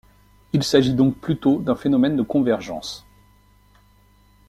Il s'agit donc plutôt d'un phénomène de convergence.